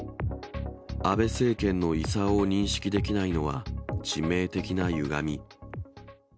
安倍政権の功を認識できないのは、致命的な歪み。